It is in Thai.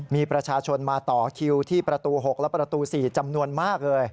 มีประชาชนมาต่อคิวที่ประตู๖และประตู๔จำนวนมากเลย